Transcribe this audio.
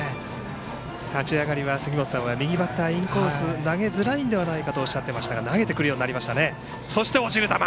立ち上がりは杉本さんは右バッター、インコースは投げづらいんではないかとおっしゃっていましたが投げてくるようになりましたね。